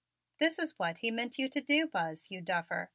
"This is what he meant you to do, Buzz, you duffer.